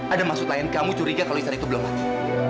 ada maksud lain kamu curiga kalau lisan itu belum ada